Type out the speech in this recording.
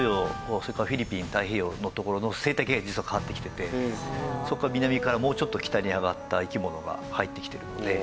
それからフィリピン太平洋の所の生態系が実は変わってきてて南からもうちょっと北に上がった生き物が入ってきてるので。